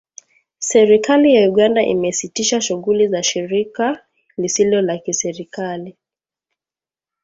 Serikali ya Uganda imesitisha shughuli za shirika lisilo la kiserikali